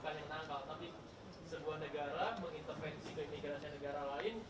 pada prinsipnya apakah itu sebenarnya bisa lakukan di luar negeri